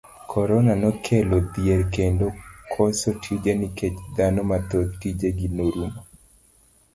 Korona nokelo dhier kendo koso tije nikech dhano mathoth tije gi norumo.